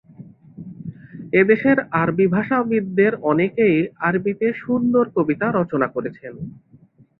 এদেশের আরবি ভাষাবিদদের অনেকেই আরবিতে সুন্দর কবিতা রচনা করেছেন।